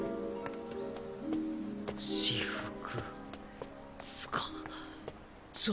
私服。